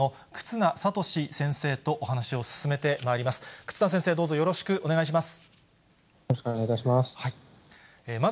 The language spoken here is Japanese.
忽那先生、どうぞよろしくお願いします。